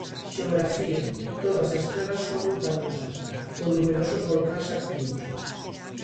Xeografía Todas as terras son montañosas, con numerosos volcáns activos.